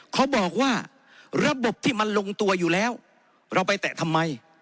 เขาบอกว่าระบบที่มันลงตัวอยู่แล้วเราไปแตะทำไม